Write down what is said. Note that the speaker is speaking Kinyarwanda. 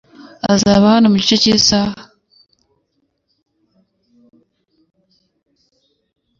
Azaba hano mu gice cy'isaha .